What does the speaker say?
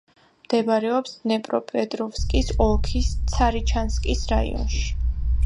მდებარეობს დნეპროპეტროვსკის ოლქის ცარიჩანკის რაიონში.